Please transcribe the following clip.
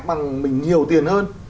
bằng mình nhiều tiền hơn